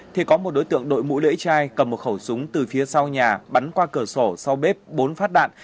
thì có một đối tượng đội mũ lưỡi chai cầm một khẩu súng từ phía sau nhà bắn qua cửa sổ sau bếp bốn phát đạn